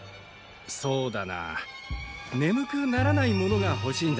そうだな眠くならないものがほしいんだ。